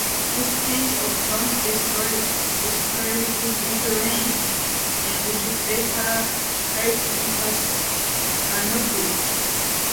This change of front destroyed his influence and his later writings passed unnoticed.